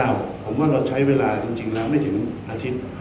ผมว่าเราใช้เวลาจริงแล้วไม่ถึงอาทิตย์